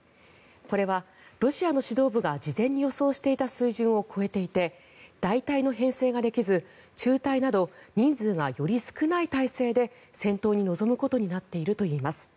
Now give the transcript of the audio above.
これはロシアの指導部が事前に予想していた水準を超えていて大隊の編成ができず、中隊など人数がより少ない態勢で戦闘に臨むことになっているといいます。